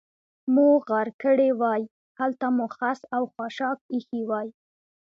مو غار کړې وای، هلته مو خس او خاشاک اېښي وای.